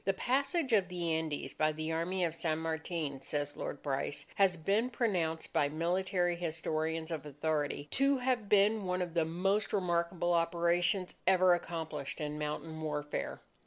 "The passage of the Andes by the Army of San Martin," says Lord Bryce, "has been pronounced by military historians of authority to have been one of the most remarkable operations ever accomplished in mountain warfare.